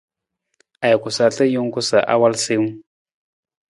Ajuku sarta jungku sa awal siiwung.